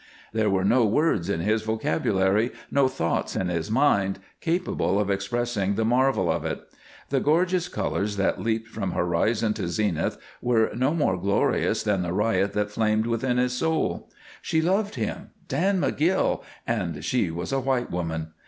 There were no words in his vocabulary, no thoughts in his mind, capable of expressing the marvel of it. The gorgeous colors that leaped from horizon to zenith were no more glorious than the riot that flamed within his soul. She loved him, Dan McGill, and she was a white woman!